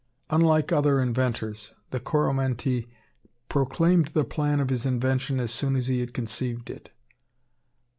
Unlike other inventors, the Coromantee proclaimed the plan of his invention as soon as he had conceived it.